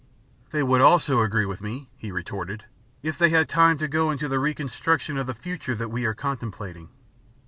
"They would also agree with me," he retorted, "if they had time to go into the reconstruction of the future that we are contemplating."